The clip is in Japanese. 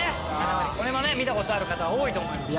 見たことある方多いと思います。